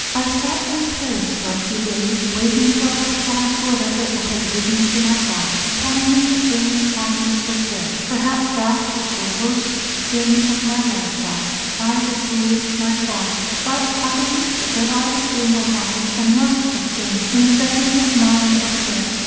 I stopped in Paris for a few days, waiting for a reply to a letter I had written to my father, telling him that James Conyers was dead. Perhaps that was the worst sin of my life, Talbot. I deceived my father; but I believed that I was doing a wise and merciful thing in setting his mind at rest.